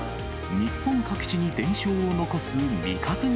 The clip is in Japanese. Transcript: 日本各地に伝承を残す未確認